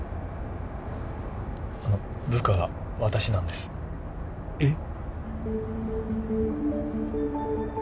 あの部下は私なんですえっ？